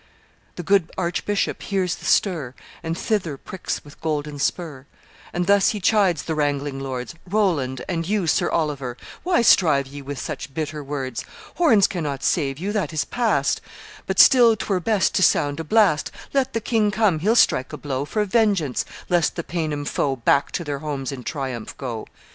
The good archbishop hears the stir, And thither pricks with golden spur; And thus he chides the wrangling lords 'Roland, and you, Sir Oliver, Why strive ye with such bitter words Horns cannot save you; that is past; But still 'twere best to sound a blast; Let the king come: he'll strike a blow For vengeance, lest the Paynim foe Back to their homes in triumph go.